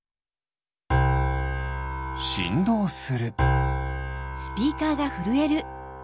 しんどうする。